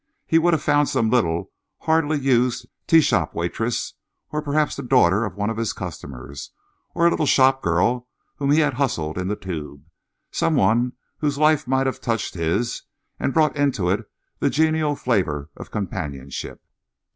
He would have found some little, hardly used, teashop waitress, or perhaps the daughter of one of his customers, or a little shopgirl whom he had hustled in the Tube, some one whose life might have touched his and brought into it the genial flavour of companionship.